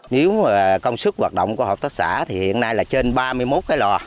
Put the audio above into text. nếu công sức hoạt động của hợp tác xã thì hiện nay là trên ba mươi một cái lò